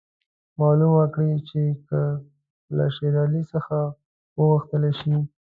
معلومه کړي چې که له شېر علي څخه وغوښتل شي.